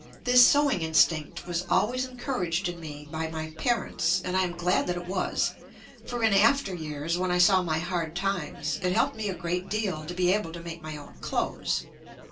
This sewing instinct was always encouraged in me by my parents, and I am glad that it was, for in after years when I saw my hard times, it helped me a great deal to be able to make my own clothes.